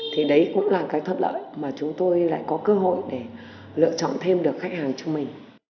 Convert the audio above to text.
thì đấy cũng là cái thuật lợi mà chúng tôi lại có cơ hội để lựa chọn thêm được khách hàng cho mình